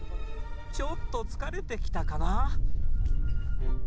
ちょっと疲れてきたかな？